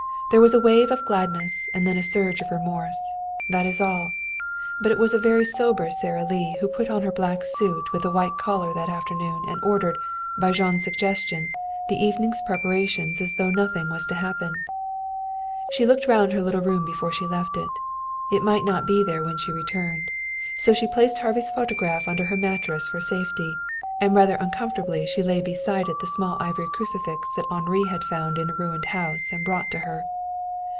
There was a wave of gladness and then a surge of remorse. That is all. But it was a very sober Sara Lee who put on her black suit with the white collar that afternoon and ordered, by Jean's suggestion, the evening's preparations as though nothing was to happen. She looked round her little room before she left it. It might not be there when she returned. So she placed Harvey's photograph under her mattress for safety, and rather uncomfortably she laid beside it the small ivory crucifix that Henri had found in a ruined house and brought to her.